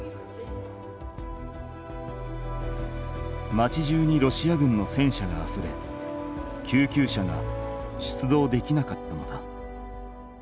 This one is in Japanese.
町中にロシア軍の戦車があふれ救急車が出動できなかったのだ。